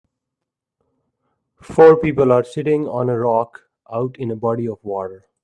Four people are sitting on a rock out in a body of water.